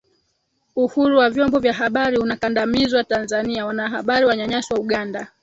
Uhuru wa vyombo vya habari unakandamizwa Tanzania Wanahabari wanyanyaswa Uganda